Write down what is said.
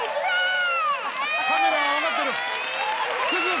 カメラが分かってる。